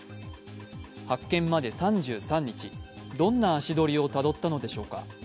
発見まで３３日、どんな足どりをたどったのでしょうか。